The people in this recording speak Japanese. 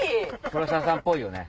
黒沢さんっぽいよね。